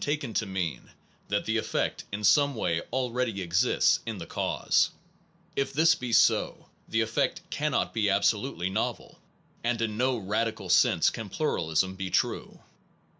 ] 189 SOME PROBLEMS OF PHILOSOPHY taken to mean that the effect in some way al ready exists in the cause. If this be so, the effect cannot be absolutely novel, and in no radical sense can pluralism be true.